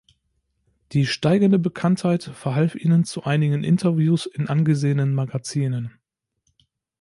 Die steigende Bekanntheit verhalf ihnen zu einigen Interviews in angesehenen Magazinen.